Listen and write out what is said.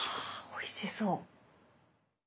おいしそう。